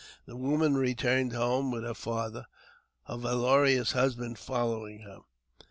The w^oman returned home with her father, her valorous hus band following them.